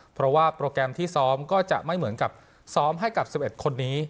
เพราะว่าโปรแกรมที่ซ้อมก็จะไม่เหมือนกับซ้อมให้กับ๑๑คนนี้